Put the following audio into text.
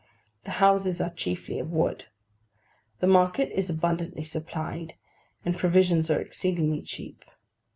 The houses are chiefly of wood. The market is abundantly supplied; and provisions are exceedingly cheap.